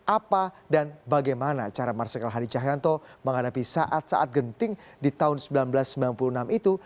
apa dan bagaimana cara marsikal hadi cahyanto menghadapi saat saat genting di tahun seribu sembilan ratus sembilan puluh enam itu